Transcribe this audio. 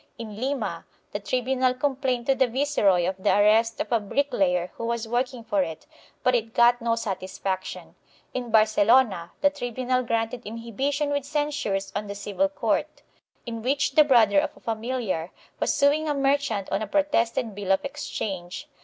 In Lima the tribunal complained to the viceroy of the arrest of a bricklayer who was working for it, but it got no satisfaction. In Barcelona the tribunal granted inhibition with censures on the civil court, in which the brother of a familiar was suing a merchant on a protested bill of exchange.